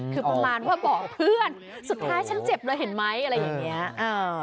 คือประมาณว่าบอกเพื่อนสุดท้ายฉันเจ็บเลยเห็นไหมอะไรอย่างเงี้ย